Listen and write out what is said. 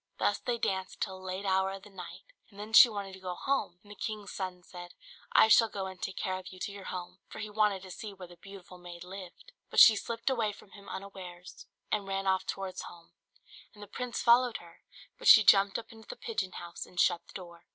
Thus they danced till a late hour of the night, and then she wanted to go home: and the king's son said, "I shall go and take care of you to your home;" for he wanted to see where the beautiful maid lived. But she slipped away from him unawares, and ran off towards home, and the prince followed her; but she jumped up into the pigeon house and shut the door.